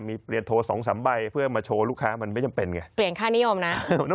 มีเปลี่ยนโทร๒๓ใบเพื่อยังมาโชว์ลูกค้ามันไม่จำเป็นเง